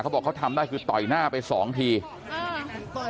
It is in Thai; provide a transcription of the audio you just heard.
บอกเขาทำได้คือต่อยหน้าไปสองทีอ่า